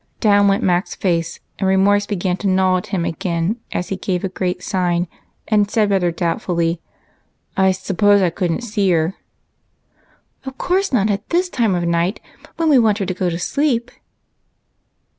Down went Mac's face, and remorse began to gnaw U him again as he gave a great sigh and said doubt fully,— "I suppose I couldn't see her?" " Of course not at this time of night, when we want her to go to sleep